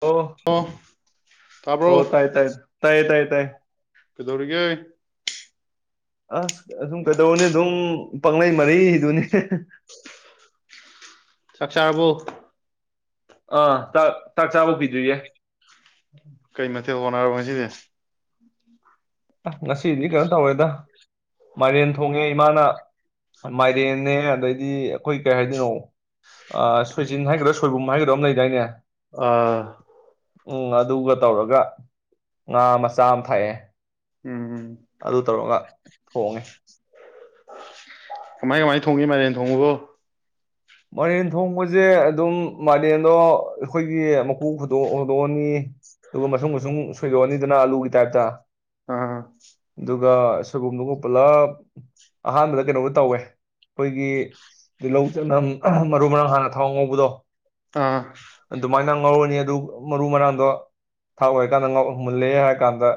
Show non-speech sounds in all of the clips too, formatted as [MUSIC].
ꯑꯣ ꯍ ꯇꯥꯕ꯭ꯔꯣ ꯇꯥꯏ ꯇꯥꯏ ꯇꯥꯏ ꯇꯥꯏ ꯇꯥꯏ ꯀꯩꯗꯧꯔꯤꯒꯦ ꯑꯁ ꯑꯨꯗꯨꯝ ꯀꯩꯗꯧꯔꯨꯅꯤ ꯑꯗꯨꯝ ꯄꯪꯂꯩ ꯃꯔꯩꯔꯤꯗꯨꯅꯤ ꯆꯥꯛ ꯆꯥꯔꯕꯣ ꯑꯥ ꯆꯥꯛ ꯆꯥꯛ ꯆꯥꯕ ꯀꯨꯏꯗꯔ꯭ꯤꯌꯦ ꯀꯩ ꯃꯊꯦꯜ ꯍꯣꯠꯅꯔꯕ ꯉꯁꯤꯗꯤ ꯉꯁꯤꯗꯤ ꯀꯩꯅꯣ ꯇꯧꯔꯦꯗ ꯃꯥꯏꯔꯦꯟ ꯊꯣꯡꯉꯦ ꯏꯃꯥꯅ ꯃꯥꯏꯔꯦꯟꯅꯦ ꯑꯗꯩꯗꯤ ꯑꯩꯈꯣꯏ ꯀꯩ ꯍꯥꯏꯗꯣꯏꯅꯣ ꯁꯣꯏꯖꯤꯟ ꯍꯥꯏꯒꯗꯔ꯭ ꯁꯣꯏꯕꯨꯝ ꯍꯥꯏꯒꯗ꯭ꯔꯥ ꯑꯃ ꯂꯩꯗꯥꯏꯅꯦ ꯑꯥ ꯎꯝ ꯑꯗꯨꯒ ꯇꯧꯔꯒ ꯉꯥ ꯃꯆꯥ ꯑꯃ ꯊꯛꯑꯦ ꯎꯝ ꯎꯝ ꯑꯗꯨ ꯇꯧꯔꯒ ꯊꯣꯡꯉꯦ ꯀꯃꯥꯏ ꯀꯃꯥꯏ ꯊꯣꯡꯉꯤ ꯃꯥꯏꯔꯦꯟ ꯊꯣꯡꯕꯕꯨ ꯃꯥꯏꯔꯦꯟ ꯊꯣꯡꯕꯁꯦ ꯑꯗꯨꯝ ꯃꯥꯏꯔꯦꯟꯗꯣ ꯑꯩꯈꯣꯏꯒꯤ ꯃꯀꯨꯨꯗꯣ ꯍꯨꯗꯣꯛꯑꯅꯤ ꯑꯗꯨꯒ ꯃꯁꯨꯡ ꯃꯁꯨꯡ ꯁꯣꯏꯗꯣꯛꯑꯅꯤꯗꯅ ꯑꯂꯨꯒꯤ ꯇꯥꯏꯞꯇ ꯑ ꯑꯗꯨꯒ ꯁꯣꯏꯕꯨꯝꯗꯨꯒ ꯄꯨꯂꯞ ꯑꯍꯥꯟꯕꯗ ꯀꯩꯅꯣꯒ ꯇꯧꯋꯦ ꯑꯩꯈꯣꯏꯒꯤ ꯇꯤꯜꯍꯧ ꯆꯅꯝ ꯃꯔꯨ ꯃꯔꯥꯡ ꯍꯥꯟꯅ ꯊꯥꯎ ꯉꯧꯕꯗꯣ ꯑꯥ ꯑꯗꯨꯃꯥꯏꯅ ꯉꯧꯔꯅꯤ ꯑꯗꯨ ꯃꯔꯨ ꯃꯔꯥꯡꯗꯣ ꯊꯥꯛ ꯂꯣꯏꯔꯀꯥꯟꯗ ꯃꯨꯜꯂꯦ ꯍꯥꯏꯔ ꯀꯥꯟꯗ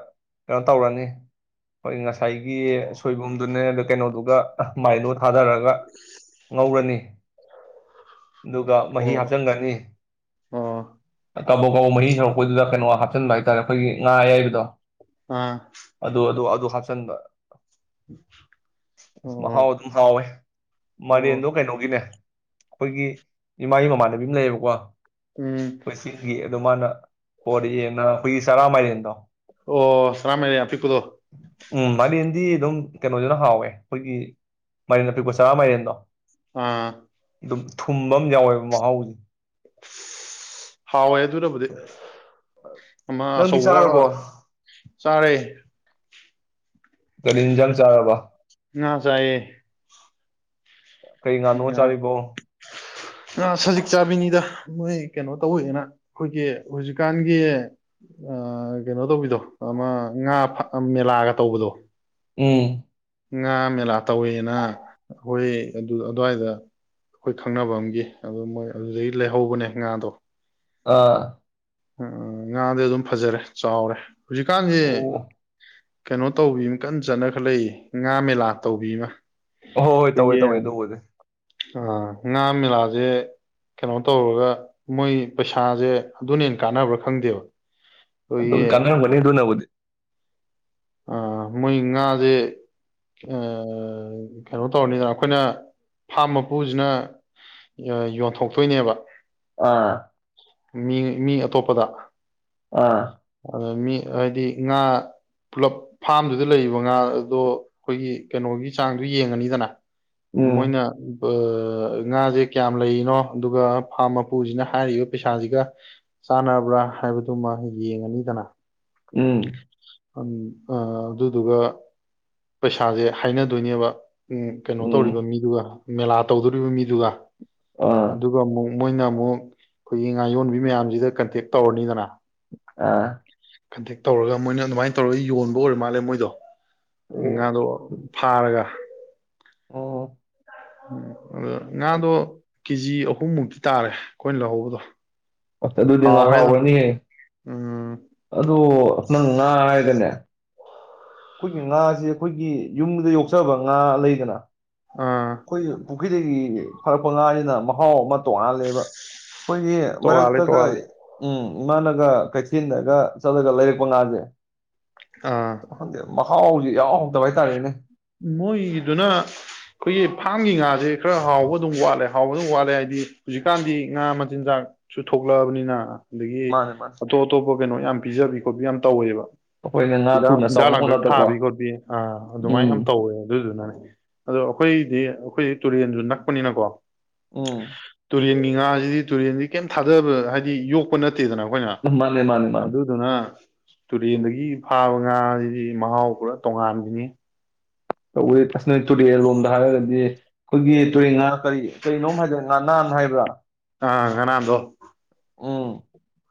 ꯀꯩꯅꯣ ꯇꯧꯔꯅꯤ ꯑꯩꯈꯣꯏ ꯉꯁꯥꯏꯒꯤ ꯁꯣꯏꯕꯨꯝꯗꯨꯅꯦ ꯑ ꯀꯩꯅꯣꯗꯨꯒ ꯃꯥꯏꯔꯦꯟꯗꯨꯒ ꯊꯥꯗꯔꯒ ꯉꯧꯔꯅꯤ ꯑꯗꯨꯒ ꯃꯍꯤ ꯑꯣ ꯍꯥꯞꯆꯟꯒꯔ꯭ꯅꯤ ꯑꯣ ꯀꯕꯛ ꯀꯕꯛ ꯃꯍꯤ ꯁꯧꯔꯛꯄꯩꯗꯨꯗ ꯀꯩꯅꯣ ꯍꯥꯞꯆꯤꯟꯕ ꯍꯥꯏꯇꯥꯔꯦ ꯑꯩꯈꯣꯏꯒꯤ ꯉꯥ ꯑꯌꯥꯏꯕꯗꯣ ꯑꯥ ꯑꯗꯨ ꯑꯗꯨ ꯑꯗꯨ ꯍꯥꯞꯆꯟꯕ ꯑꯁ ꯃꯍꯥꯎ ꯑꯣ ꯑꯗꯨꯝ ꯍꯥꯎꯋꯦ ꯃꯔꯦꯟꯗꯣ ꯑꯣ ꯀꯩꯅꯣꯒꯤꯅꯦ ꯑꯩꯈꯣꯏꯒꯤ ꯏꯃꯥꯒꯤ ꯃꯃꯥꯟꯅꯕꯤ ꯑꯃ ꯂꯩꯌꯦꯕꯀꯣ ꯎꯝ ꯑꯩꯈꯣꯏ ꯆꯤꯡꯒꯤ ꯑꯗꯣ ꯃꯥꯅ ꯄꯣꯔꯛꯑꯦꯅ ꯑꯩꯈꯣꯏꯒꯤ ꯆꯔꯥ ꯃꯥꯏꯔꯦꯟꯗꯣ ꯑꯣ ꯆꯔꯥ ꯃꯥꯏꯔꯦꯟ ꯌꯥꯝ ꯄꯤꯛꯄꯗꯣ ꯗꯤ ꯑꯗꯨꯝ ꯀꯩꯅꯣꯁꯤꯅ ꯍꯥꯎꯋꯦ ꯑꯩꯈꯣꯏꯒꯤ ꯃꯥꯏꯔꯦꯟ ꯑꯄꯤꯛꯄ ꯆꯔꯥ ꯃꯥꯏꯔꯦꯟꯗꯣ ꯑꯥ ꯑꯗꯨꯝ ꯊꯨꯝꯕ ꯑꯃ ꯌꯥꯎꯋꯦꯕ ꯃꯍꯥꯎꯁꯦ ꯍꯥꯎꯋꯦ ꯑꯗꯨꯅꯕꯨꯗꯤ ꯑꯃ ꯅꯪꯗꯤ ꯑꯆꯧꯕ ꯆꯥꯔꯕꯣ ꯆꯥꯔꯦ ꯀꯔꯤ ꯏꯟꯖꯥꯡ ꯆꯥꯔꯕ ꯉꯥ ꯆꯥꯏꯌꯦ ꯀꯩ ꯉꯥꯅꯣ ꯉꯥ ꯆꯥꯔꯤꯕꯣ ꯉꯥ ꯁꯖꯤꯛ ꯆꯥꯕꯤꯅꯤꯗ ꯃꯣꯏ ꯀꯩꯅꯣ ꯇꯧꯋꯦꯗꯅ ꯑꯩꯈꯣꯏꯒꯤ ꯍꯧꯖꯤꯛꯀꯥꯟꯒꯤ ꯑꯥ ꯀꯩꯅꯣ ꯇꯧꯕꯤꯗꯣ ꯑꯃ ꯉꯥ ꯃꯦꯂꯥꯒ ꯇꯧꯕꯗꯣ ꯎꯝ ꯉꯥ ꯃꯦꯂꯥ ꯇꯧꯋꯦꯅ ꯑꯩꯈꯣꯏ ꯑꯗꯨ ꯑꯗꯨꯋꯥꯏꯗ ꯑꯩꯈꯣꯏ ꯈꯪꯅꯕ ꯑꯃꯒꯤ ꯑꯗꯨ ꯃꯣꯏ ꯑꯗꯨꯗꯒꯤ ꯂꯩꯍꯧꯕꯅꯦ ꯉꯥꯗꯣ ꯑꯥ ꯎꯝ ꯉꯥꯗꯤ ꯑꯗꯨꯝ ꯐꯖꯔꯦ ꯆꯥꯎꯔꯦ ꯍꯧꯖꯤꯛꯀꯥꯟꯁꯤ ꯑꯣ ꯀꯩꯅꯣ ꯇꯧꯕꯤ ꯑꯃ ꯀꯟꯅ ꯆꯠꯅ ꯈꯂꯛꯏ ꯉꯥ ꯃꯦꯂꯥ ꯇꯧꯕꯤꯃ ꯑꯍꯣꯏ ꯍꯣꯏ ꯇꯧꯋꯦ ꯇꯧꯋꯦ ꯑꯗꯨꯕꯨꯗꯤ ꯑ ꯉꯥ ꯃꯦꯂꯥꯁꯦ ꯀꯩꯅꯣ ꯇꯧꯔꯒ ꯃꯣꯏ ꯄꯩꯁꯥꯁꯦ ꯑꯗꯨꯅꯦ ꯀꯥꯟꯅꯕ꯭ꯔꯥ ꯈꯪꯗꯦꯕ ꯑꯗꯨꯝ ꯑꯩꯈꯣꯏꯒꯤ ꯀꯥꯟꯅꯔꯝꯒꯅꯤ ꯑꯗꯨꯅꯕꯨꯗꯤ ꯑ ꯃꯣꯏ ꯉꯥꯁꯦ ꯀꯩꯅꯣ ꯇꯧꯔꯅꯤꯗꯅ ꯑꯩꯈꯣꯏꯅ ꯐꯥꯝ ꯃꯄꯨꯁꯤꯅ ꯌꯣꯟꯊꯣꯛꯇꯣꯏꯅꯦꯕ ꯑꯥ ꯃꯤ ꯃꯤ ꯑꯇꯣꯞꯄꯗ ꯑꯥ [UNINTELLIGIBLE] ꯃꯤ ꯍꯥꯏꯗꯤ ꯉꯥ ꯄꯨꯂꯞ ꯐꯥꯝꯗꯨꯗ ꯂꯩꯔꯤꯕ ꯉꯥꯗꯣ ꯑꯩꯈꯣꯏꯒꯤ ꯀꯩꯅꯣꯒꯤ ꯆꯥꯡꯗꯣ ꯌꯦꯡꯉꯅꯤꯗꯅ ꯎꯝ ꯃꯣꯏꯅ ꯉꯥꯁꯦ ꯀꯌꯥꯝ ꯂꯩꯔꯤꯅꯣ ꯑꯗꯨꯒ ꯐꯥꯝ ꯃꯄꯨꯁꯤꯅ ꯍꯥꯏꯔꯤꯕ ꯄꯩꯁꯥꯁꯤꯒ ꯆꯥꯟꯅꯕ꯭ꯔꯥ ꯍꯥꯏꯕꯗꯨꯃ ꯌꯦꯡꯉꯅꯤꯗꯅ ꯎꯝ ꯑꯗꯨꯗꯨꯒ ꯄꯩꯁꯥꯁꯦ ꯍꯥꯏꯅꯗꯣꯏꯅꯦꯕ ꯎꯝ ꯀꯩꯅꯣ ꯎꯝ ꯇꯧꯔꯤꯕ ꯃꯤꯗꯨꯒ ꯃꯦꯂꯥ ꯇꯧꯗꯣꯔꯤꯕ ꯃꯤꯗꯨꯒ ꯑꯥ ꯑꯗꯨꯒ ꯑꯃꯨꯛ ꯃꯣꯏꯅ ꯑꯃꯨꯛ ꯑꯩꯈꯣꯏꯒꯤ ꯉꯥ ꯌꯣꯟꯕꯤ ꯃꯌꯥꯝꯁꯤꯗ ꯀꯟꯇꯦꯛ ꯇꯧꯔꯅꯤꯗꯅ ꯑꯥ [UNINTELLIGIBLE] ꯇꯧꯔꯒ ꯃꯣꯏꯅ ꯑꯗꯨꯃꯥꯏꯅ ꯇꯧꯔꯒ ꯌꯣꯟꯕ ꯑꯣꯏꯔ ꯃꯥꯜꯂꯦ ꯃꯣꯏꯗꯣ ꯉꯥꯗꯣ ꯑꯣ ꯐꯥꯔꯒ ꯑꯣ [UNINTELLIGIBLE] ꯑꯗ ꯉꯥꯗꯣ ꯀꯦꯖꯤ ꯑꯍꯨꯝ ꯃꯨꯛꯇꯤ ꯇꯥꯔꯦ ꯑꯩꯈꯣꯏꯅ ꯂꯧꯍꯧꯕꯗꯣ ꯑꯗꯨꯗꯤ ꯉꯥ ꯍꯥꯎꯋꯦ ꯑꯗꯨꯝ ꯍꯥꯎꯔꯅꯤꯍꯦ ꯎꯝ ꯑꯗꯨ ꯅꯪ ꯉꯥ ꯍꯥꯏꯔꯒꯅꯦ ꯑꯩꯈꯣꯏꯒꯤ ꯉꯥꯁꯦ ꯑꯩꯈꯣꯏꯒꯤ ꯌꯨꯝꯗ ꯌꯣꯛꯆꯕ ꯉꯥ ꯂꯩꯗꯅ ꯑꯥ [UNINTELLIGIBLE] ꯄꯨꯈ꯭ꯔꯤꯗꯒꯤ ꯐꯥꯔꯛꯄ ꯉꯥꯁꯤꯅ ꯃꯍꯥꯎ ꯑꯃ ꯇꯣꯡꯉꯥꯜꯂꯦꯕ ꯑꯩꯈꯣꯏꯒꯤ ꯇꯣꯉꯥꯜꯂꯦ ꯃꯔꯛꯇꯒ ꯇꯣꯉꯥꯜꯂꯦ ꯎꯝ ꯏꯃꯥꯅꯒ ꯀꯩꯊꯦꯜꯗꯒ ꯆꯠꯂꯒ ꯂꯩꯔꯛꯄ ꯉꯥꯁꯦ ꯑꯥ ꯋꯥꯪꯗꯦ ꯃꯍꯥꯎꯁꯤ ꯌꯥꯎ ꯍꯧꯗꯕ ꯍꯥꯏꯇꯥꯔꯦꯅꯦ ꯃꯣꯏꯗꯨꯅ ꯑꯩꯈꯣꯏꯒꯤ ꯐꯥꯝꯒꯤ ꯉꯥꯁꯦ ꯈꯔ ꯍꯥꯎꯕ ꯑꯗꯨꯝ ꯋꯥꯠꯂꯦ ꯍꯥꯎꯕ ꯑꯗꯨꯝ ꯋꯥꯠꯂꯦ ꯍꯥꯏꯗꯤ ꯍꯧꯖꯤꯛꯀꯥꯟꯗꯤ ꯉꯥ ꯃꯆꯤꯟꯖꯥꯛꯁꯨ ꯊꯣꯛꯂꯛꯑꯕꯅꯤꯅ ꯑꯗꯒꯤ ꯃꯥꯅꯦ ꯃꯥꯅꯦ ꯑꯇꯣꯞ ꯑꯇꯣꯞꯄ ꯀꯩꯅꯣ ꯌꯥꯝ ꯄꯤꯖꯕꯤ ꯌꯥꯝ ꯇꯧꯋꯦꯕ ꯑꯩꯈꯣꯏꯅ ꯉꯅꯥ ꯍꯤꯗꯥꯛ ꯊꯨꯅ ꯍꯤꯗꯥꯛ ꯆꯥꯎꯥꯎꯅ ꯑꯃ ꯂꯥꯡꯊꯛ ꯅꯠꯇꯀꯣ ꯊꯥꯕꯤ ꯈꯣꯠꯄꯤ ꯑꯥ ꯑꯗꯨꯃꯥꯏꯅ ꯌꯥꯝ ꯇꯧꯋꯦ ꯑꯗꯨꯗꯨꯅꯅꯦ ꯑꯗꯣ ꯑꯩꯈꯣꯏꯗꯤ ꯑꯩꯈꯣꯏꯗꯤ ꯇꯨꯔꯦꯟꯁꯨ ꯅꯛꯄꯅꯤꯅꯀꯣ ꯎꯝ ꯇꯨꯔꯦꯟꯒꯤ ꯉꯥꯁꯤꯗꯤ ꯇꯨꯔꯦꯜꯗꯤ ꯀꯩꯝ ꯊꯥꯗꯕ ꯍꯥꯏꯗꯤ ꯌꯣꯛꯄ ꯅꯠꯇꯦ ꯆꯠꯇꯦꯗꯅ ꯑꯩꯈꯣꯏꯅ ꯃꯥꯅꯦ ꯃꯥꯅꯦ ꯃꯥꯅꯦ ꯑꯗꯨꯗꯨꯅ ꯇꯨꯔꯦꯟꯗꯒꯤ ꯐꯥꯕ ꯉꯥꯁꯤꯗꯤ ꯃꯍꯥꯎ ꯄꯨꯔꯥ ꯇꯣꯉꯥꯟꯕꯅꯤ [UNINTELLIGIBLE] ꯅꯣꯏ ꯇꯨꯔꯤꯜꯂꯣꯝꯗ ꯍꯥꯏꯔꯒꯥꯗꯤ ꯑꯩꯈꯣꯏꯒꯤ ꯇꯨꯔꯦꯟ ꯉꯥ ꯀꯔꯤ ꯇꯨꯔꯦꯟꯅꯨꯡ ꯍꯥꯏꯗ ꯉꯥ ꯅ ꯍꯥꯏꯕ꯭ꯔꯥ ꯑꯥ ꯉꯅꯥꯥꯡꯗꯣ ꯎꯝ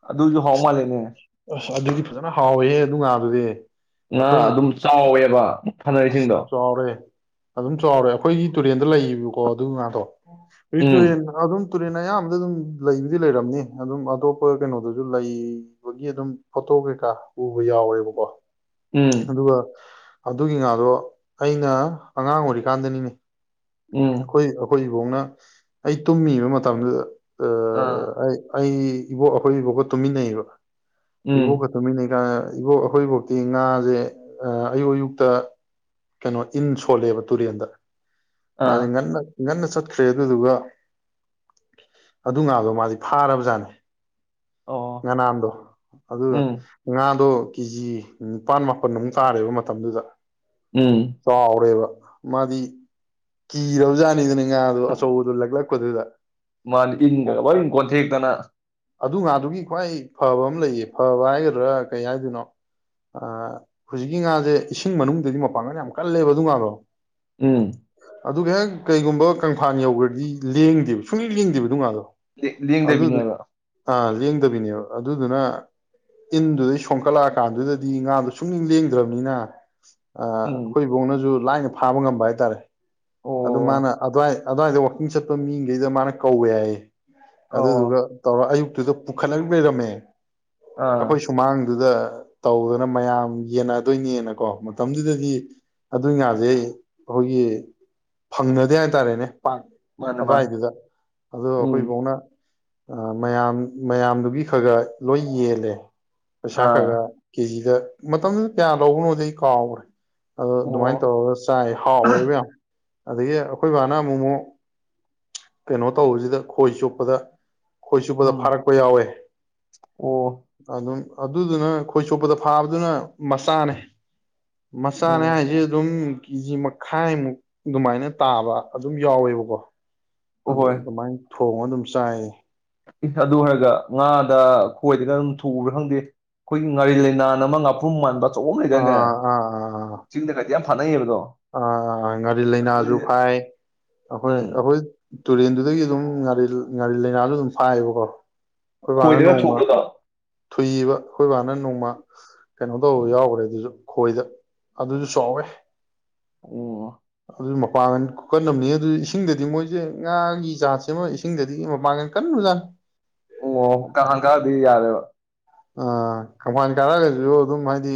ꯑꯗꯨꯁꯨ ꯍꯥꯎ ꯃꯥꯜꯂꯦꯅꯦ ꯑꯁ ꯑꯗꯨꯗꯤ ꯐꯖꯅ ꯍꯥꯎꯋꯦꯍꯦ ꯑꯗꯨ ꯉꯥꯗꯨꯗꯤ ꯉꯥ ꯑꯩꯈꯣꯏ ꯑꯗꯨꯝ ꯆꯥꯎꯋꯦꯕ ꯑꯁ ꯐꯅꯔꯤꯁꯤꯡꯗꯣ ꯆꯥꯎꯔꯦ ꯑꯗꯨꯝ ꯆꯥꯎꯔꯦ ꯑꯩꯈꯣꯏꯒꯤ ꯇꯨꯔꯦꯟꯗ ꯂꯩꯌꯦꯕꯀꯣ ꯑꯗꯨ ꯉꯗꯣ ꯕꯤꯛꯇꯣꯔꯤꯌꯥꯟ ꯑꯗꯨꯝ ꯇꯨꯔꯦꯜ ꯑꯌꯥꯝꯕꯗ ꯑꯗꯨꯝ ꯂꯩꯕꯨꯗꯤ ꯂꯩꯔꯝꯅꯤ ꯑꯗꯨꯝ ꯑꯇꯣꯞꯄ ꯀꯩꯅꯣꯗꯁꯨ ꯂꯩꯕꯒꯤ ꯑꯗꯨꯝ ꯐꯣꯇꯣ ꯀꯩꯀꯥ ꯎꯕ ꯌꯥꯎꯋꯦꯕꯀꯣ ꯑꯗꯨꯒ ꯑꯗꯨꯒꯤ ꯉꯥꯗꯣ ꯑꯩꯅ ꯑꯉꯥꯡ ꯑꯣꯏꯔꯤꯀꯥꯟꯗꯅꯤꯅꯦ ꯍꯣꯏꯈꯣꯏ ꯏꯕꯣꯡꯅ ꯑꯩ ꯇꯨꯝꯃꯤꯕ ꯃꯇꯝꯗꯨꯗ ꯑ ꯑꯩ ꯑꯩ ꯏꯕꯣ ꯑꯩꯈꯣꯏ ꯏꯕꯣꯛꯒꯣ ꯇꯨꯃꯤꯟꯅꯩꯕ ꯏꯕꯣꯛꯒ ꯇꯨꯃꯤꯟꯅꯩ ꯅ ꯀ ꯏꯕꯣꯛ ꯑꯩꯈꯣꯏꯐꯧꯇꯤ ꯉꯥꯁꯦ ꯑꯌꯨꯛ ꯑꯌꯨꯛꯇ ꯀꯩꯅꯣ ꯏꯟ ꯁꯣꯜꯂꯦꯕ ꯇꯨꯔꯦꯟꯗ ꯃꯥꯖꯦ ꯉꯟꯅ ꯉꯟꯅ ꯆꯠꯈ꯭ꯔꯦ ꯑꯗꯨꯗꯨꯒ ꯑꯗꯨ ꯉꯥꯗꯣ ꯃꯥꯗꯤ ꯐꯥꯔꯕꯖꯥꯠꯅꯤ ꯉꯅꯥꯟꯗꯣ ꯑꯗꯨ ꯉꯥꯗꯣ ꯀꯦꯖꯤ ꯅꯤꯄꯥꯥꯟ ꯃꯥꯄꯜꯃꯨꯛ ꯇꯥꯔꯦꯕ ꯃꯇꯝꯗꯨꯗ ꯆꯥꯎꯔꯦꯕ ꯃꯥꯗꯤ ꯏꯔꯕꯖꯅꯤꯗꯨꯅꯤ ꯉꯥꯗ ꯑꯆꯧꯕꯗꯨ ꯂꯛꯂꯛ [UNINTELLIGIBLE] ꯃꯥꯗꯤ ꯏꯪꯒ ꯂꯣꯢꯟ ꯀꯣꯠꯊꯦꯛꯇꯅꯥ ꯑꯗꯨ ꯉꯥꯗꯨꯒꯤ ꯈ꯭ꯋꯥꯏ ꯐꯕ ꯑꯃ ꯂꯩꯌꯦ ꯐꯕ ꯍꯥꯏꯒꯗ꯭ꯔꯥ ꯀꯩ ꯍꯥꯏꯗꯣꯏꯅꯣ ꯑꯥ ꯍꯨꯖꯤꯛꯀꯤ ꯉꯥꯖꯦ ꯏꯁꯤꯡ ꯃꯅꯨꯡꯗꯗꯤ ꯃꯄꯥꯡꯒꯟ ꯌꯥꯝ ꯀꯜꯂꯦꯕ ꯑꯗꯨ ꯉꯥꯗꯣ꯫ ꯎꯝ꯫ ꯑꯗꯨꯒ ꯍꯦꯛ ꯀꯩꯒꯨꯝꯕ ꯀꯪꯐꯥꯟ ꯌꯧꯒ꯭ꯔꯗꯤ ꯂꯦꯡꯗꯦꯕ ꯁꯨꯡꯂꯦꯡ ꯂꯦꯡꯗꯦꯕ ꯑꯗꯨ ꯉꯥꯗꯣ꯫ [UNINTELLIGIBLE] ꯑꯗꯨꯗꯨ ꯂꯤꯡꯗꯕꯤꯅꯦꯕ꯫ ꯑꯥ ꯂꯦꯡꯗꯕꯤꯅꯦꯕ ꯑꯗꯨꯗꯨꯅ ꯏꯟꯗꯨꯗꯩ ꯁꯣꯟꯀꯠꯂꯛꯑꯀꯥꯟꯗꯨꯗꯗꯤ ꯉꯥꯗꯣ ꯁꯨꯛꯂꯦꯡ ꯂꯦꯡꯗ꯭ꯔꯃꯅꯤꯅꯥ ꯑ ꯑꯈꯣꯏ ꯢꯕꯣꯛꯅꯖꯨ ꯂꯥꯏꯅ ꯐꯥꯕ ꯉꯝꯕ ꯍꯥꯏꯇꯥꯔꯦ ꯑꯗꯨ ꯃꯥꯅ ꯑꯗ꯭ꯋꯥꯏ ꯑꯗ꯭ꯋꯥꯏꯗ ꯋꯥꯛꯀꯤꯡ ꯆꯠꯄ ꯃꯤꯒꯩꯗ ꯃꯥꯅ ꯀꯧꯋꯦ ꯍꯥꯏꯌꯦ꯫ ꯑꯗꯨꯗꯨꯒ ꯇꯧꯔ ꯑꯌꯨꯛ ꯑꯗꯨꯗ ꯄꯨꯈꯠꯂ ꯂꯩꯔꯝꯃꯦ꯫ ꯑꯈꯣꯏ ꯁꯨꯃꯥꯡ ꯑꯗꯨꯗ ꯇꯧꯗꯅ ꯃꯌꯥꯝ ꯌꯦꯟꯅꯗꯣꯏꯅꯦꯅꯀꯣ ꯃꯇꯝꯗꯨꯗꯗꯤ ꯑꯗꯨꯒꯤ ꯉꯥꯖꯦ ꯑꯈꯣꯏꯒꯤ ꯐꯪꯅꯗꯦ ꯍꯥꯏꯇꯥꯔꯦꯅꯦ꯫ [UNINTELLIGIBLE] ꯑꯗ꯭ꯋꯥꯏꯗꯨꯗ ꯑꯗꯣ ꯑꯈꯣꯏ ꯢꯕꯣꯛꯅ ꯑ ꯃꯌꯥꯝ ꯃꯌꯥꯝꯗꯨꯒꯤ ꯈꯔꯒ ꯂꯣꯏ ꯌꯦꯜꯂꯦ꯫ ꯄꯩꯁꯥ ꯈꯔ ꯈ ꯀꯦꯖꯤꯗ ꯃꯇꯝꯗꯨ ꯀꯌꯥ ꯂꯧꯕꯅꯣꯗꯤ ꯑꯩ ꯀꯥꯎꯒꯔꯦ ꯑꯗꯣ ꯑꯗꯨꯃꯥꯏꯅ ꯇꯧꯔꯒ ꯆꯥꯏ ꯍꯥꯎꯋꯦꯕ ꯌꯥꯝ ꯑꯗꯩꯗꯤ ꯑꯩꯈꯣꯏ ꯅ ꯃꯣꯃꯣ ꯀꯩꯅꯣ ꯇꯧꯕꯖꯤꯗ ꯈꯣꯏ ꯆꯣꯞꯄꯗ ꯈꯣꯏ ꯆꯨꯞꯄꯗ ꯐꯥꯔꯛꯄ ꯌꯥꯎꯋꯦ ꯑꯗꯨꯝ ꯑꯗꯨꯗꯨꯅ ꯈꯣꯏ ꯆꯣꯄꯗ ꯐꯥꯕꯗꯨꯅ ꯃꯆꯥꯅꯦ ꯃꯆꯥꯅꯦ ꯍꯥꯏꯖꯤ ꯑꯗꯨꯝ ꯀꯦꯖꯤ ꯃꯈꯥꯏꯃꯨꯛ ꯑꯗꯨꯃꯥꯏꯅ ꯇꯥꯕ ꯑꯗꯨꯝ ꯌꯥꯎꯋꯦꯕꯀꯣ ꯑꯗ ꯍꯣꯏ ꯑꯗꯨ ꯃꯥꯏ ꯊꯣꯡ ꯑꯗꯨꯝ ꯆꯥꯏ ꯑꯗꯨ ꯑꯣꯏꯔꯒ ꯉꯥꯗ ꯈꯣꯏꯗꯒ ꯑꯗꯨꯝ ꯊꯨꯎꯕ꯭ꯔꯥ ꯈꯪꯗꯦ ꯑꯩꯈꯣꯏꯒꯤ ꯉꯥꯔꯤ ꯂꯩꯥꯏꯅꯥꯟ ꯑꯃ ꯉꯥꯄ꯭ꯔꯨꯝ ꯃꯥꯟꯕ ꯆꯑꯣꯣꯡꯉꯗꯪꯅꯦ ꯆꯤꯡꯗ ꯀꯗꯤ ꯌꯥꯝ ꯐ ꯑ ꯉꯥꯔꯤ ꯅꯣꯏ ꯂꯥꯏꯅꯥꯁꯨ ꯐꯥꯏ ꯑꯩꯈꯣꯏ ꯎꯝ ꯑꯩꯈꯣꯏ ꯇꯨꯔꯦꯟꯗꯨꯗꯒꯤ ꯑꯗꯨꯝ ꯉꯥꯔꯤ ꯉꯥꯔꯤ ꯂꯥꯏꯅꯥꯁꯨ ꯑꯗꯨꯝ ꯐꯥꯏꯌꯦꯕꯀꯣ ꯑꯩꯈꯣꯏ ꯏꯕꯥꯅ ꯈꯣꯏꯗꯒ ꯅꯣꯡꯃ ꯊꯨꯕ꯭ꯔꯥ ꯑꯗꯣ ꯊꯨꯏꯕ ꯑꯩꯈꯣꯏꯕꯥꯅ ꯅꯣꯡꯃ ꯀꯩꯅꯣ ꯇꯧꯕ ꯌꯥꯎꯈ꯭ꯔꯦ ꯑꯗꯨꯁꯨ ꯈꯣꯏꯗ ꯑꯗꯨꯁꯨ ꯆꯥꯎꯋꯦ ꯑꯣ ꯑꯗꯨ ꯃꯄꯥꯡꯒꯜ ꯀꯀꯟꯅꯅꯕꯕꯅꯤ ꯑꯗꯨ ꯏꯁꯤꯡꯗꯗꯤ ꯃꯣꯏꯁꯦ ꯉꯥꯒꯤ ꯆꯥꯟꯁꯦ ꯑꯃ ꯏꯁꯤꯡꯗꯗꯤ ꯃꯄꯥꯡꯒꯜ ꯀꯟꯅꯕꯖꯥꯠꯅꯤ ꯑꯣ ꯀꯥ ꯀꯥꯗꯤ ꯌꯥꯔꯦꯕ ꯑ ꯀꯪꯐꯥꯟ ꯀꯥꯔꯛꯑꯒꯁꯨ ꯑꯗꯨꯝ ꯍꯥꯏꯗꯤ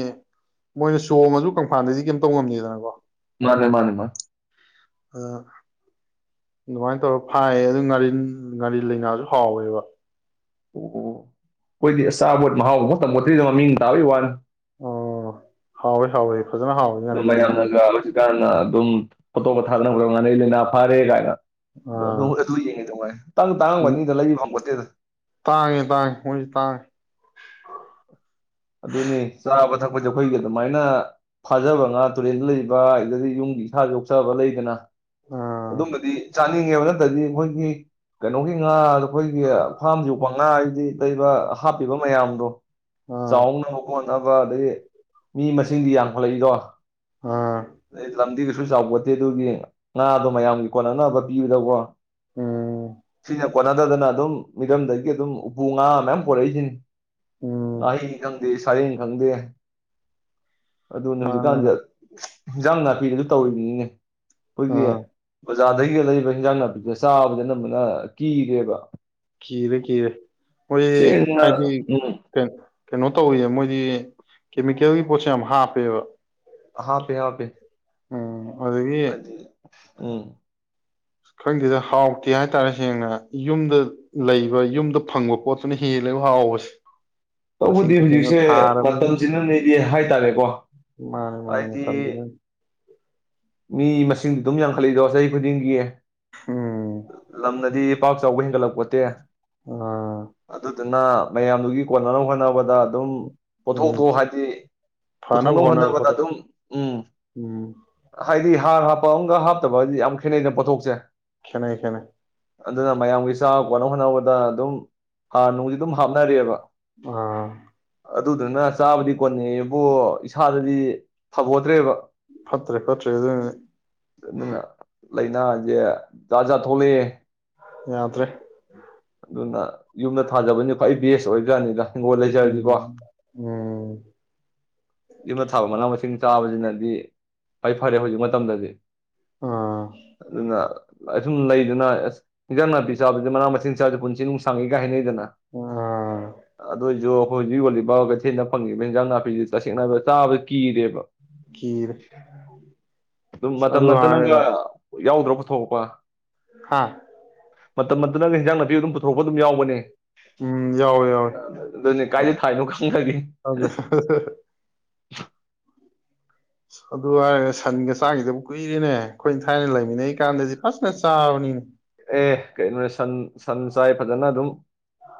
ꯃꯣꯏꯅ ꯆꯣꯝꯃꯁꯨ ꯀꯪꯐꯥꯟꯗꯗꯤ ꯀꯩꯝꯇꯧ ꯉꯝꯗꯗꯅꯀꯣ ꯃꯥꯅꯦ ꯃꯥꯅꯦ ꯃꯥ ꯑ ꯑꯗꯨꯃꯥꯏꯅ ꯇꯧꯔꯒ ꯐꯥꯏꯌꯦ ꯑꯗꯨ ꯉꯥꯔꯤ ꯉꯥꯔꯤ ꯂꯩꯉꯁꯨ ꯍꯥꯎꯋꯦꯕ ꯑꯣ ꯑꯩꯈꯣꯏꯗꯤ ꯑꯆꯥꯄꯣꯠ ꯃꯍꯥꯎ ꯈꯣꯠꯇꯔꯤꯗ ꯃꯃꯤꯡ ꯇꯥꯕꯩ ꯋꯥꯅꯤ ꯑꯣ ꯍꯥꯎꯣꯏ ꯍꯋꯦ ꯑꯗꯨꯃꯥꯏ ꯌꯥꯝ ꯅꯁꯨ ꯀꯥꯟꯅ ꯑꯗꯨꯝ ꯐꯣꯇꯣꯒ ꯊꯥꯗꯅꯕꯈ ꯉꯥꯟꯅꯩ ꯂꯥꯏꯅꯥ ꯐꯥꯔꯦ ꯀꯥꯏꯅ ꯑꯗꯨ ꯑꯗꯨ ꯑꯥ ꯑꯗꯨ ꯌꯦꯡꯉꯤ ꯅꯨꯡꯉꯥꯏ ꯇꯪ ꯇꯥꯡꯉꯝꯒꯅꯤꯗ ꯂꯩꯕꯤꯐꯝ ꯈꯣꯠꯇꯦꯗ ꯇꯥꯡꯉꯦ ꯇꯥꯡꯉꯦ ꯃꯣꯏꯁꯦ ꯇꯥꯡꯉꯦ ꯑꯩꯈꯣꯏꯁꯦ ꯑꯩꯈꯣꯏꯒꯤ ꯑꯗꯨꯃꯥꯏꯅ ꯐꯥꯖꯕ ꯉꯥ ꯇꯨꯔꯦꯜꯗ ꯂꯩꯕ ꯑꯗꯨꯗꯗꯤ ꯌꯨꯝꯒꯤ ꯏꯁꯥ ꯌꯣꯛꯆꯕ ꯂꯩꯗꯅ ꯑꯥ ꯑꯗꯨꯝꯕꯗꯤ ꯆꯥ ꯪꯅꯤꯡꯉꯦꯕ ꯅꯠꯇꯗꯤ ꯑꯩꯈꯣꯏꯒꯤ ꯀꯩꯅꯣꯒꯤ ꯉꯥ ꯑꯩꯈꯣꯏꯒꯤ ꯐꯥꯝ ꯌ ꯌꯣꯛꯄ ꯉꯥ ꯍꯥꯏꯗꯤ ꯂꯩꯕ ꯍꯥꯞꯄꯤꯕ ꯃꯌꯥꯝꯗꯣ ꯑꯥ ꯆꯥꯎꯥꯎ ꯅꯛꯅꯕ ꯑꯗꯩ ꯃꯤ ꯃꯁꯤꯡꯗꯤ ꯌꯥꯝꯈꯠꯂꯛꯏꯗꯣ ꯑꯥ ꯂꯥꯎꯗ ꯐ ꯁꯨ ꯆꯥꯎ ꯈꯣꯠꯇꯦ ꯑꯗꯨꯒꯤ ꯉꯥꯗꯣ ꯃꯌꯥꯝꯒꯤ ꯀꯣꯟꯅꯅꯕ ꯄꯤꯕꯗꯧꯕꯣ ꯎꯝ ꯁꯤ ꯀꯣꯟꯅꯗꯗꯅ ꯑꯗꯨꯝ ꯃꯤꯔꯝꯗꯒꯤ ꯑꯗꯨꯝ ꯎꯄꯨ ꯉꯥ ꯃꯌꯥꯝ ꯀꯔꯛꯏꯁꯤꯅꯤ ꯎꯝ ꯋꯥꯏ ꯀꯝ ꯗꯦꯁ ꯁꯔꯡ ꯈꯪꯗꯦꯦ ꯑꯗꯨ ꯅ ꯍꯧꯁꯨ ꯃꯥꯅꯦ ꯃꯥꯅꯦ ꯀꯥꯟꯖ ꯑꯦꯟꯖꯥꯡ ꯅꯥꯄꯤꯔꯦ ꯑꯗꯨ ꯇꯧꯔꯤꯅꯤ ꯏꯅꯦ ꯄꯣꯏꯒꯤꯦ ꯑꯥ ꯖꯥꯗꯒꯤꯒ ꯂꯩꯔꯤꯕ ꯍꯤꯟꯖꯥꯡ ꯅꯥꯄꯤꯁꯦ ꯆꯥꯕꯗꯤ ꯑꯅꯝꯕꯅ ꯀꯤꯔꯦꯕ ꯈꯔꯦ ꯀꯔꯦ ꯃꯣꯏ ꯁꯦꯡꯅ ꯍꯥꯏꯗꯤ ꯎꯝ ꯀ ꯀꯩꯅꯣ ꯇꯧꯋꯦ ꯃꯣꯏꯗꯤ ꯀꯦꯃꯤꯀꯦꯜꯒꯤ ꯄꯣꯠꯁ ꯌꯥꯝ ꯍꯥꯞꯄꯦꯕ ꯍꯥꯄꯦ ꯍꯥꯄꯦ ꯎꯝ ꯑꯗꯒꯤ ꯎꯝ ꯈꯪꯗꯦꯗ ꯍꯥꯎꯇꯦ ꯍꯥꯏꯇꯥꯔꯦ ꯁꯦꯡꯅ ꯌꯨꯝꯗ ꯂꯩꯕ ꯌꯨꯝꯗ ꯐꯪꯕ ꯄꯣꯠꯇꯨꯅ ꯍꯦꯜꯂꯦꯕ ꯍꯥꯎꯕꯁꯦ ꯇꯁꯦꯡ ꯇꯧꯕꯗꯤ ꯇꯁꯦꯡꯅ ꯍꯧꯖꯤꯛꯁꯦ ꯊꯥꯔꯕꯅꯤꯅ ꯃꯇꯝꯁꯤꯅꯅꯦꯗꯤ ꯍꯥꯏꯇꯥꯔꯦꯀꯣ ꯃꯥꯅꯦ ꯃꯥꯅꯦ ꯍꯥꯏꯗꯤ ꯃꯇꯝꯁꯤꯅ ꯃꯤ ꯃꯁꯤꯡ ꯑꯗꯨꯝ ꯌꯥꯝꯡꯈꯠꯂꯛꯏꯗꯣ ꯆꯍꯤ ꯈꯨꯗꯤꯡꯒꯤ ꯎꯝ ꯂꯝꯅꯗꯤ ꯄꯥꯛ ꯆꯥꯎꯕ ꯍꯦꯟꯒꯠꯂꯛ ꯑꯥ [UNINTELLIGIBLE] ꯃꯌꯥꯝꯗꯨꯒꯤ ꯀꯣꯟꯅꯅꯕ ꯍꯣꯠꯅꯕꯗ ꯑꯗꯨꯝ ꯎꯝ ꯄꯣꯠꯊꯣꯛꯇꯣ ꯍꯥꯏꯗꯤ ꯐꯅꯕ ꯄꯨꯊꯣꯛꯅꯕ ꯍꯣꯠꯅꯕꯗ ꯍꯣꯠꯅꯔꯛꯄꯗ ꯑꯗꯨꯝ ꯎꯝ ꯎꯝ ꯍꯥꯏꯗꯤ ꯍꯥꯔ ꯍꯥꯞꯄ ꯑꯃꯒ ꯍꯥꯞꯇꯕꯖꯤ ꯌꯥꯝ ꯈꯦꯠꯅꯩꯩꯗꯅ ꯄꯣꯠꯊꯣꯛꯁꯦ ꯈꯦꯅꯩ ꯈꯦꯅꯩ꯫ ꯑꯗꯨꯅ ꯃꯌꯥꯝꯒꯤ ꯆꯥꯕ ꯀꯣꯟꯅꯕ ꯍꯣꯠꯅꯕꯗ ꯑꯗꯨꯝ ꯍꯥꯔ ꯅꯣꯡꯁꯤ ꯑꯗꯨꯝ ꯍꯥꯞꯅꯔꯦꯕ ꯑꯥ ꯑꯗꯨꯗꯨꯅ ꯆꯥꯕꯗꯤ ꯀꯣꯟꯅꯩꯕꯨ ꯏꯁꯥꯗꯗꯤ ꯐꯥꯕꯣꯠꯇ꯭ꯔꯦꯕ [UNINTELLIGIBLE] ꯂꯩꯅꯥꯖꯦ ꯖꯥꯠ ꯖꯥꯠ ꯊꯣꯛꯂꯛꯑꯦ ꯌꯥꯗ꯭ꯔꯦ ꯑꯗꯨꯅ ꯌꯨꯝꯗ ꯊꯥꯖꯕꯅꯤ ꯈ꯭ꯋꯥꯏ ꯕꯦꯁ ꯑꯣꯏꯕꯖꯠꯅꯤꯗ ꯍꯤꯡꯒꯣꯜ ꯂꯩꯖꯔꯗꯤꯀꯣ ꯎꯝ ꯎꯝ ꯌꯨꯝꯗ ꯊꯥꯕ ꯃꯅꯥ ꯃꯁꯤꯡ ꯆꯥꯕꯁꯤꯅꯗꯤ ꯈꯋ꯭ꯥꯏ ꯐꯔꯦ ꯍꯧꯖꯤꯛ ꯃꯇꯝꯗꯗꯤ ꯑꯥ ꯑꯗꯨꯅ ꯑꯁꯨꯝ ꯂꯩꯗꯅ ꯑꯁ ꯏꯟꯖꯥꯡ ꯅꯥꯄꯤ ꯆꯥꯕꯁꯦ ꯃꯅꯥ ꯃꯁꯤꯡ ꯆꯥꯕꯁꯦ ꯄꯨꯟꯁꯤ ꯅꯨꯡꯁꯥꯡꯉꯦꯒꯥꯏ ꯍꯥꯏꯅꯩꯗꯅ ꯑꯥ ꯑꯗꯣꯏꯖꯨ ꯍꯧꯖꯤꯛ ꯌꯣꯜꯂꯤꯕ ꯀꯩꯊꯦꯟꯗ ꯐꯪꯉꯤꯕ ꯍꯟꯖꯥꯡ ꯅꯥꯄꯤꯁꯤ ꯇꯁꯦꯡꯅ [UNINTELLIGIBLE] ꯆꯥꯕꯗ ꯀꯤꯔꯦꯕ ꯀꯤꯔꯦ ꯑꯗꯨ ꯍꯥꯏꯔꯒ ꯌꯥꯎꯗ꯭ꯔ ꯄꯨꯊꯣꯛꯄ ꯍꯥꯥ ꯃꯇꯝ [UNINTELLIGIBLE] ꯍꯤꯟꯖꯥꯡ ꯅꯥꯄꯤ ꯑꯗꯨꯝ ꯄꯨꯊꯣꯔꯣꯛꯄ ꯑꯗꯨꯝ ꯌꯥꯎꯕꯅꯦ ꯎꯝ ꯌꯥꯎꯋꯦ ꯌꯥꯎꯋꯦ ꯑꯗꯨꯅꯤ ꯀꯥꯏꯗ ꯊꯥꯏꯅꯣ ꯑꯗꯨ [UNINTELLIGIBLE] ꯑꯗꯨ ꯍꯥꯏꯔꯒ ꯁꯟꯒ ꯆꯥꯈꯤꯗꯕꯨ ꯀꯨꯏꯔꯅꯦ ꯑꯩꯈꯣꯏꯅ ꯊꯥꯏꯅ ꯂꯩꯃꯤꯟꯅꯩꯀꯥꯟꯗꯗꯤ ꯐꯖꯅ ꯆꯥꯕꯅꯤꯅꯦ ꯑꯦ ꯀꯩꯅꯣꯅꯦ ꯁꯟ ꯁꯟ ꯆꯥꯏ ꯐꯖꯅ ꯑꯗꯨꯝ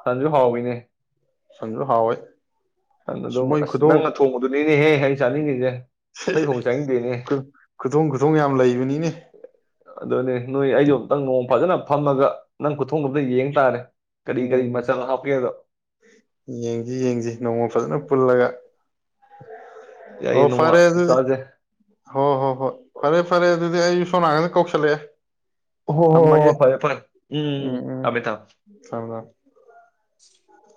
ꯁꯟꯁꯨ ꯍꯥꯎꯏꯅꯦ ꯁꯟꯁꯨ ꯍꯥꯎꯋꯦ ꯅꯪ ꯑꯗꯨꯝ ꯃꯣꯏ ꯑꯁ ꯈꯨꯊꯣꯡ ꯅꯪꯅ ꯊꯣꯡꯕꯗꯨꯅꯤꯅꯦꯍꯦ ꯆꯥꯅꯤ ꯀꯩꯒꯦ [UNINTELLIGIBLE] ꯑꯩꯊꯣꯡ ꯆꯪꯅꯤꯡꯗꯦꯅꯦ ꯈꯨꯊꯣꯡ ꯈꯨꯊꯣꯡ ꯌꯥꯝ ꯂꯩꯕꯅꯤꯅꯦ ꯑꯗꯨꯅꯦ ꯅꯣꯏ ꯑꯩ ꯅꯣꯡ ꯐꯝꯃꯒ ꯅꯪ ꯈꯨꯊꯣꯡꯗꯨ ꯑꯃꯠ ꯌꯦꯡ ꯇꯥꯔꯦ ꯀꯔꯤ ꯀꯔꯤ ꯎꯝ ꯃꯆꯜ ꯍꯥꯞꯀꯦꯗꯣ ꯌꯦꯡꯁꯤ ꯌꯦꯡꯁꯤ ꯅꯣꯡꯃ ꯐꯖꯅ ꯄꯨꯜꯂꯒ ꯌꯥꯏꯌꯦ ꯑꯣ ꯅꯣꯡꯃ ꯐꯔꯦ ꯑꯗꯨꯗꯤ ꯆꯥꯁꯦ ꯍꯣ ꯍꯣ ꯍꯣꯏ ꯐꯔꯦ ꯐꯔꯦ ꯑꯗꯨꯗꯤ ꯑꯩ ꯁꯣꯝ ꯅꯥꯀꯟꯗ ꯀꯧꯁꯜꯂꯦ ꯑꯣ ꯍꯣ ꯐꯔꯦ ꯐꯔꯦ ꯎꯝ ꯊꯥꯃꯦ ꯊꯥꯃꯦ ꯊꯝꯃꯣ ꯊꯝꯃꯣ [INAUDIBLE]